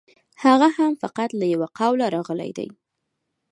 هغه هم فقط له یوه قوله راغلی دی.